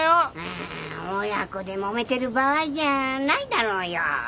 あー親子でもめてる場合じゃないだろうよ。